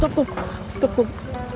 tukang rebut suami orang jalan